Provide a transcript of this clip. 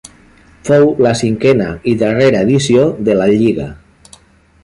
Fou la cinquena i darrera edició de la lliga.